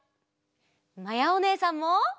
まやおねえさんも！